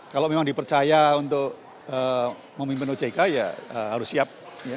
kalau memang dipercaya untuk memimpin ojk ya harus siap